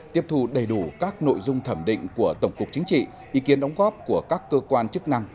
tiếp thu đầy đủ các nội dung thẩm định của tổng cục chính trị ý kiến đóng góp của các cơ quan chức năng